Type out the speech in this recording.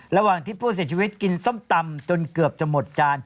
ระหว่างที่ผู้เสียชีวิตกินส้มตำจนเกือบจะหมดจาน